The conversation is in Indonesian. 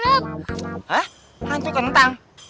hah hantu kentang